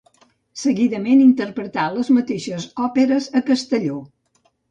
Seguidament interpretà les mateixes òperes a Castelló.